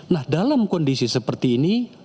nah dalam kondisi seperti ini